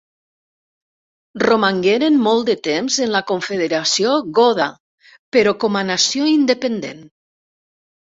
Romangueren molt de temps en la confederació goda, però com a nació independent.